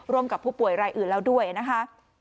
กับผู้ป่วยรายอื่นแล้วด้วยนะคะ